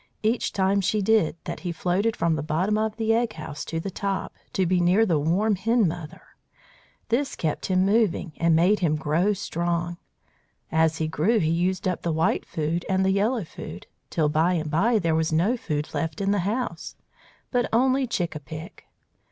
Each time she did that he floated from the bottom of the egg house to the top, to be near the warm Hen Mother. This kept him moving, and made him grow strong. As he grew he used up the white food and the yellow food, till by and by there was no food left in the house, but only Chick a pick.